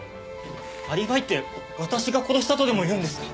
アリバイって私が殺したとでも言うんですか？